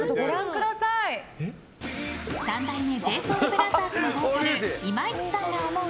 三代目ＪＳＯＵＬＢＲＯＴＨＥＲＳのボーカル今市さんが思う